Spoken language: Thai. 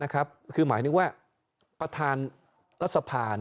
คือหมายถึงว่าประธานรัฐสภา